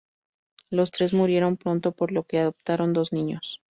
Los tres murieron pronto, por lo que adoptaron dos niños.